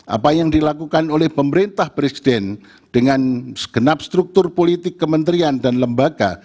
apa yang dilakukan oleh pemerintah presiden dengan segenap struktur politik kementerian dan lembaga